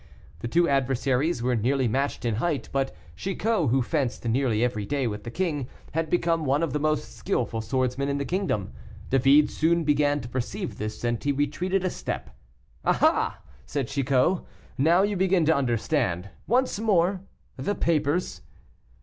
The two adversaries were nearly matched in height, but Chicot, who fenced nearly every day with the king, had become one of the most skilful swordsmen in the kingdom. David soon began to perceive this, and he retreated a step. "Ah! ah!" said Chicot, "now you begin to understand. Once more; the papers."